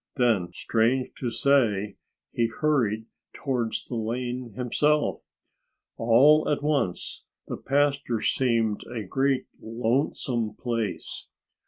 Then, strange to say, he hurried towards the lane himself. All at once the pasture seemed a great, lonesome place.